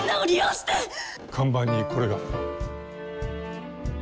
看板にこれが。